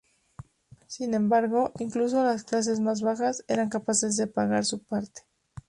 Sin embargo, incluso las clases más bajas eran capaces de pagar su parte.